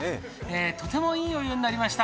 とてもいいお湯になりました。